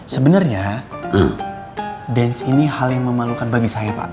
sebenarnya dance ini hal yang memalukan bagi saya pak